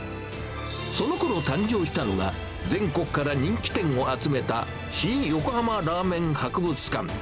そのころ、誕生したのが、全国から人気店を集めた新横浜ラーメン博物館。